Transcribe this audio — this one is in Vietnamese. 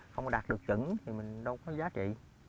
không đạt được chữ thì mình đâu có giá trị